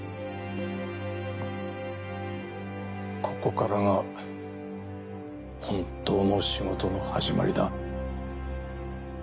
ここからが本当の仕事の始まりだ。